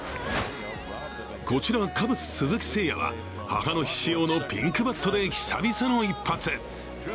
こちらカブス・鈴木誠也は母の日仕様のピンクバットで久々の一発。